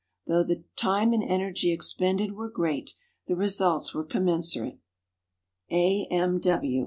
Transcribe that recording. Though the time and energy expended were great, the results were commensurate. A. M.